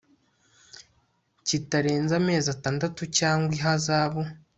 kitarenza amezi atandatu cyangwa ihazabu